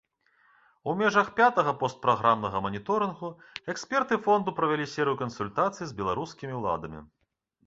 У межах пятага постпраграмнага маніторынгу эксперты фонду правялі серыю кансультацый з беларускімі ўладамі.